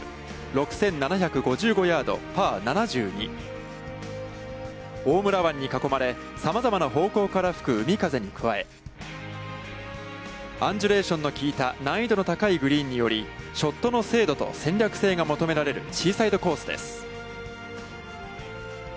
６７５５ヤード、パー７２大村湾に囲まれさまざまな方向から吹く海風に加えアンジュレーションの効いた難易度の高いグリーンによりショットの精度と戦略性が求められるシーサイドコースです。